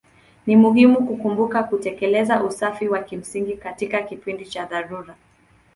Ni muhimu kukumbuka kutekeleza usafi wa kimsingi katika kipindi cha dharura.